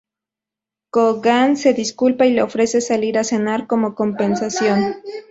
Coogan se disculpa y le ofrece salir a cenar como compensación.